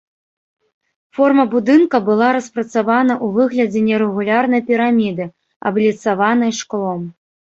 Форма будынка была распрацавана ў выглядзе нерэгулярнай піраміды, абліцаванай шклом.